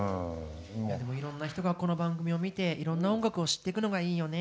いろんな人がこの番組を見ていろんな音楽を知ってくのがいいよね。